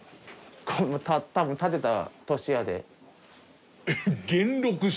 多分建てた年やで。